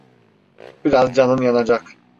Biraz canın yanacak.